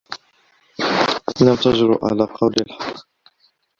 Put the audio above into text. لم تجرأ على قول الحق.